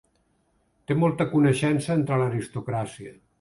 Té molta coneixença entre l'aristocràcia.